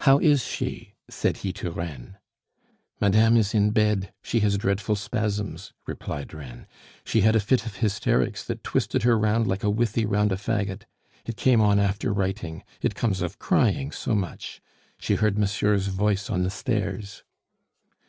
How is she?" said he to Reine. "Madame is in bed; she has dreadful spasms," replied Reine. "She had a fit of hysterics that twisted her like a withy round a faggot. It came on after writing. It comes of crying so much. She heard monsieur's voice on the stairs."